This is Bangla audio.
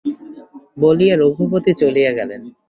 বলিয়া রঘুপতি চলিয়া গেলেন।